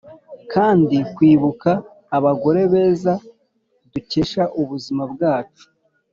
kandi kwibuka abagore beza dukesha ubuzima bwacu,